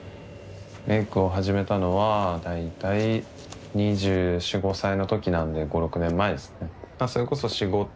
メイクを始めたのは大体２４２５歳のときなんで５６年前ですね。